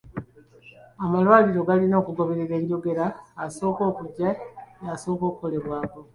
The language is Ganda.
Amalwaliro galina okugoberera enjogera; asooka okujja y'asooka okukolebwako.